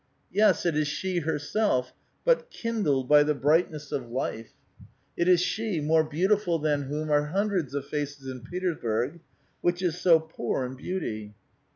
Yes, it is she herself, but kindled by the brightness of life ; it is she, more beautiful than whom are hundreds of faces in Petersburg, which is so poor in beauty.